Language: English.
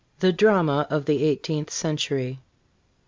THE DRAMA OE THE EIGHTEENTH CENTURY.